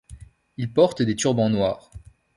Ils portent des turbans noirs.